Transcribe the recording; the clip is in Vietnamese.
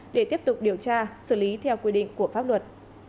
để tiếp tục điều tra xử lý theo quy định của pháp luật